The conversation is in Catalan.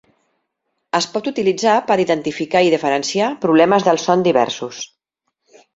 Es pot utilitzar per identificar i diferenciar problemes del son diversos.